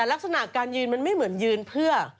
ลักษณะการยืนมันไม่เหมือนยืนเพื่อ